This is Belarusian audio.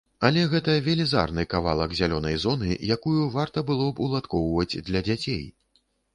Але гэта велізарны кавалак зялёнай зоны, якую варта было б уладкоўваць для дзяцей.